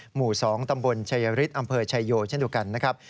หมู่๒ตำบลชายฤทธิ์อำเภอชายโยเช่นเดียวกันนะครับ